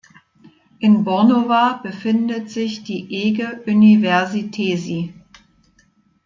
In Bornova befindet sich die Ege Üniversitesi.